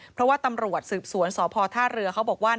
เพราะว่าตำรวจสืบสวนสพท่าเรือเขาบอกว่า